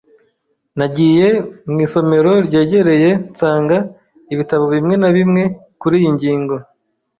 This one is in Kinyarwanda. Nagiye mu isomero ryegereye nsanga ibitabo bimwe na bimwe kuriyi ngingo.